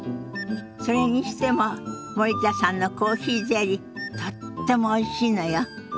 それにしても森田さんのコーヒーゼリーとってもおいしいのよ。